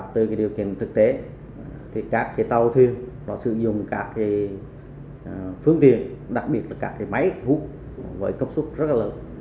tuy nhiên các tàu thuyền sử dụng các phương tiện đặc biệt là các máy hút với cấp suất rất lớn